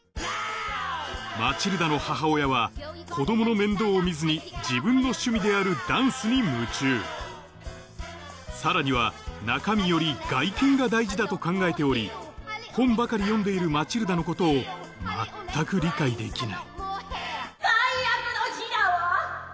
マチルダの母親は子供の面倒を見ずに自分の趣味であるダンスに夢中さらにはだと考えており本ばかり読んでいるマチルダのことを全く理解できない最悪の日だわ！